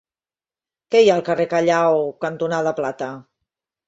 Què hi ha al carrer Callao cantonada Plata?